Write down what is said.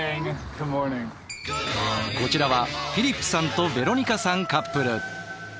こちらはフィリップさんとヴェロニカさんカップル。